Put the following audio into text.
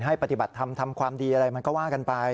ปฏิบัติธรรมทำความดีอะไรมันก็ว่ากันไป